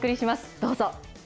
どうぞ。